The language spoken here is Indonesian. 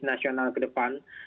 nasional ke depan